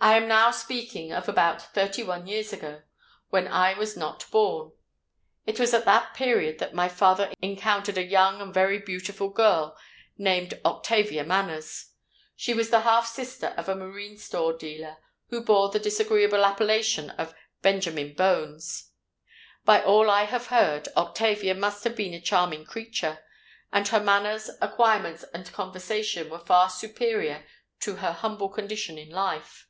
"I am now speaking of about thirty one years ago; when I was not born. It was at that period that my father encountered a young and very beautiful girl, named Octavia Manners. She was the half sister of a marine store dealer, who bore the disagreeable appellation of Benjamin Bones. By all I have heard, Octavia must have been a charming creature; and her manners, acquirements, and conversation were far superior to her humble condition in life.